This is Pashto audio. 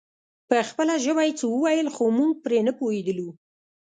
په خپله ژبه يې څه ويل خو موږ پرې نه پوهېدلو.